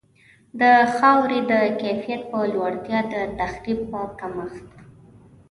د خاورې د کیفیت په لوړتیا، د تخریب په کمښت.